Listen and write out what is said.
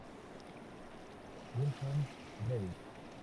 Wilhelm Reich.